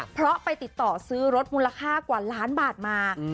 เพราะไปติดต่อซื้อรถมูลค่ากว่าล้านบาทมา